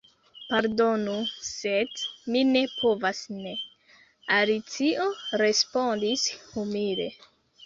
"Pardonu, sed mi ne povas ne," Alicio respondis humile.